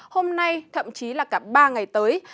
hôm nay thậm chí là cả ba ngày tới